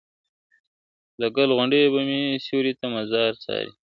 له ګل غونډیه به مي سیوری تر مزاره څارې !.